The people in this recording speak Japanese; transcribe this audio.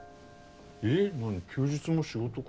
えっなに休日も仕事か？